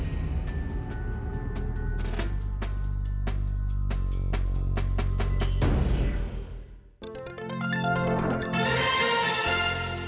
โปรดติดตามตอนต่อไป